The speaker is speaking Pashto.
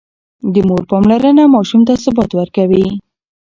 د مور پاملرنه ماشوم ته ثبات ورکوي.